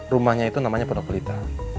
rumahnya itu namanya pernak pelita